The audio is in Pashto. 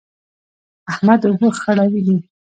احمد اوبه خړولې.